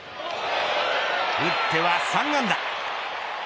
打っては３安打。